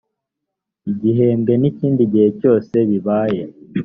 gihembwe n ikindi gihe cyose bibaye